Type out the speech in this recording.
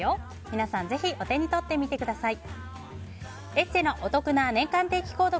皆さん、ぜひお手に取ってみてください。